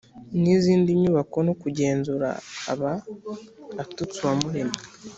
n inzindi nyubako no kugenzura aba atutse uwamuremye